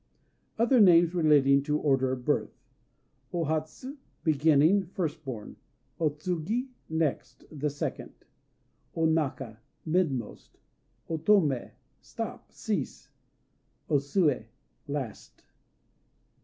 (?) OTHER NAMES RELATING TO ORDER OF BIRTH O Hatsu "Beginning," first born. O Tsugi "Next," the second. O Naka "Midmost." O Tomé "Stop," cease. O Sué "Last."